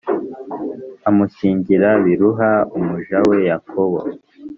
Amushyingira Biluha umuja we Yakobo